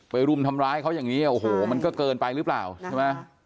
รุมทำร้ายเขาอย่างนี้โอ้โหมันก็เกินไปหรือเปล่าใช่ไหม